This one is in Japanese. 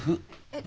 えっ？